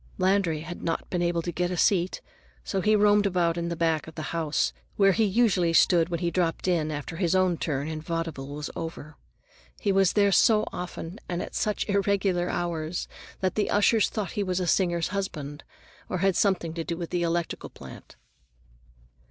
Landry had not been able to get a seat, so he roamed about in the back of the house, where he usually stood when he dropped in after his own turn in vaudeville was over. He was there so often and at such irregular hours that the ushers thought he was a singer's husband, or had something to do with the electrical plant.